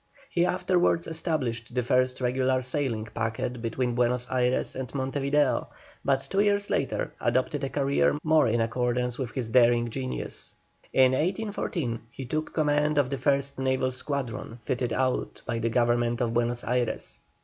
He afterwards established the first regular sailing packet between Buenos Ayres and Monte Video, but two years later adopted a career more in accordance with his daring genius. In 1814 he took command of the first naval squadron fitted out by the Government of Buenos Ayres.